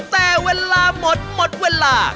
แต่เวลาหมดหมดเวลา